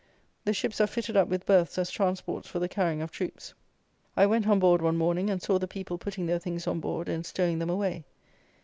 The ships are fitted up with berths as transports for the carrying of troops. I went on board one morning, and saw the people putting their things on board and stowing them away.